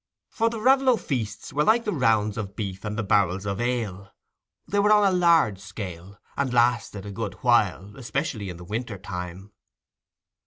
For the Raveloe feasts were like the rounds of beef and the barrels of ale—they were on a large scale, and lasted a good while, especially in the winter time.